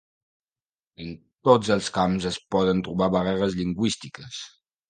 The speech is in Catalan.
En tots els camps es poden trobar barreres lingüístiques.